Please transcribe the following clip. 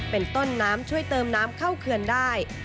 เป็นต้นน้ำช่วยเติมน้ำเข้าเขื่อนได้